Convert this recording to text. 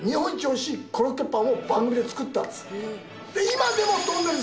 美味しいコロッケパンを番組で作ったんです。